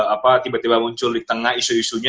apa tiba tiba muncul di tengah isu isunya